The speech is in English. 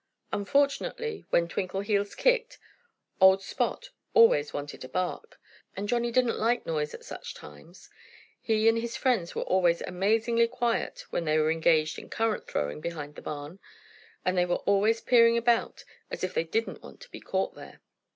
Unfortunately, when Twinkleheels kicked, old Spot always wanted to bark. And Johnnie didn't like noise at such times. He and his friends were always amazingly quiet when they were engaged in currant throwing behind the barn. And they were always peering about as if they didn't want to be caught there.